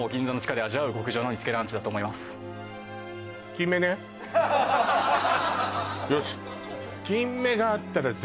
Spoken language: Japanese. キンメねよし